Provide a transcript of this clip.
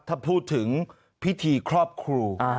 ถ้าพูดถึงพิธีครอบครู